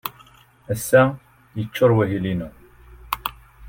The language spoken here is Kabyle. Ass-a, yeccuṛ wahil-inu.